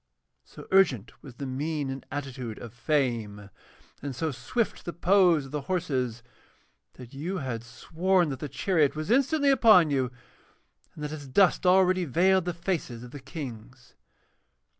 So urgent was the mien and attitude of Fame, and so swift the pose of the horses, that you had sworn that the chariot was instantly upon you, and that its dust already veiled the faces of the Kings.